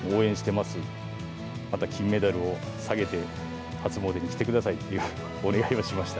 また金メダルをさげて、初詣に来てくださいというお願いをしました。